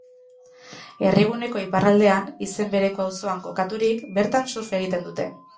Herriguneko iparraldean, izen bereko auzoan, kokaturik, bertan surf egiten dute.